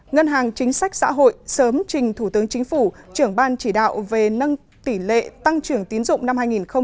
ngân hàng chính sách xã hội sớm trình thủ tướng chính phủ trưởng ban chỉ đạo về nâng tỷ lệ tăng trưởng tín dụng năm hai nghìn hai mươi